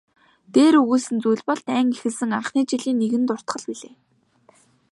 Дээр өгүүлсэн зүйл бол дайн эхэлсэн анхны жилийн нэгэн дуртгал билээ.